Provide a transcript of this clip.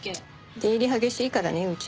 出入り激しいからねうち。